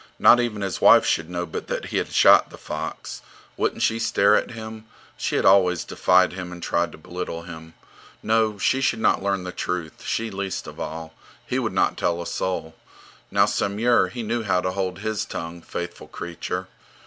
Not even his wife should know but that he had shot the fox. Wouldn't she stare at him? She had always defied him and tried to belittle him. No, she should not learn the truth, she least of all. He would not tell a soul. Now Samur, he knew how to hold his tongue, faithful creature!